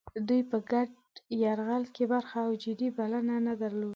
دوی په ګډ یرغل کې برخه او جدي بلنه نه درلوده.